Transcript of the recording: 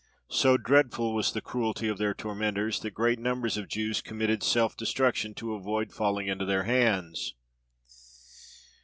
So dreadful was the cruelty of their tormentors, that great numbers of Jews committed self destruction to avoid falling into their hands.